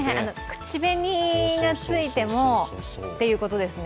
口紅がついてもっていうことですね。